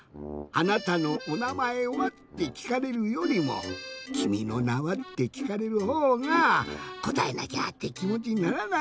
「あなたのおなまえは？」ってきかれるよりも「君の名は。」ってきかれるほうがこたえなきゃってきもちにならない？